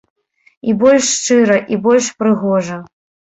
І больш шчыра, і больш прыгожа.